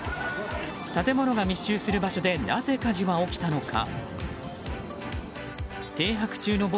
建物が密集する場所でなぜ火事は起きたのか。